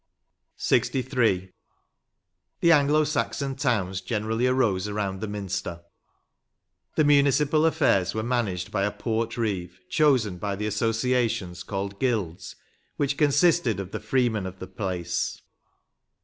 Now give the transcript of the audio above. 126 LXIII. The Anglo Saxon towns generally arose around the minster; the municipal affairs were managed by a port reeve chosen by the associations called gylds which consisted of the freemen of the place.